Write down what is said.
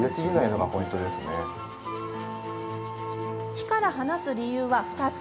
火から離す理由は２つ。